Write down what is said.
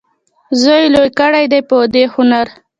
زوی یې لوی کړی دی په دې هنر.